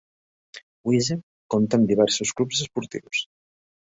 Wezep compta amb diversos clubs esportius.